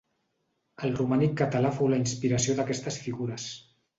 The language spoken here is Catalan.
El romànic català fou la inspiració d'aquestes figures.